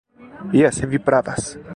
Jes, vi pravas.